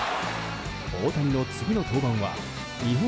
大谷の次の登板は日本